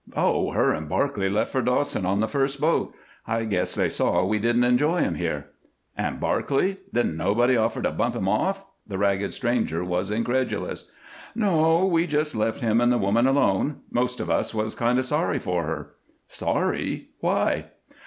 "Oh, her and Barclay left for Dawson on the first boat. I guess they saw we didn't enjoy 'em here." "And Barclay? Didn't nobody offer to bump him off?" The ragged stranger was incredulous. "No, we just left him and the woman alone. Most of us was kind of sorry for her." "Sorry? Why?"